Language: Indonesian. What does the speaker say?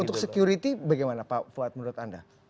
untuk security bagaimana pak fuad menurut anda